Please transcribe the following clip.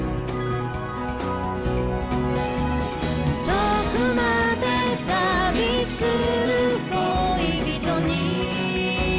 「遠くまで旅する恋人に」